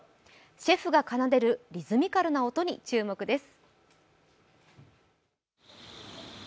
シェフが奏でるリズミカルな音に注目です。